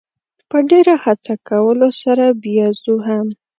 په ډېره هڅه کولو سره بېزو هم.